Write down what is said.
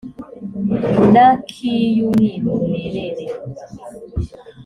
n ak iy umwimerere